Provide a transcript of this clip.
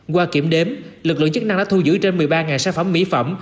qua kiểm đếm lực lượng chức năng đã thu giữ trên một mươi ba sản phẩm mỹ phẩm